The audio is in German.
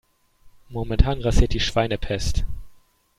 Momentan grassiert die Schweinepest.